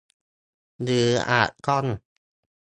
หรืออาจต้อง